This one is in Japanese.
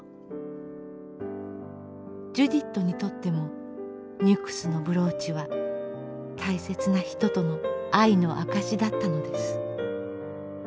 ジュディットにとってもニュクスのブローチは大切な人との愛の証しだったのです。